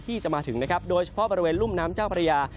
ที่จะมาถึงนะครับโดยเฉพาะบริเวณรุ่มน้ำเจ้าพระยา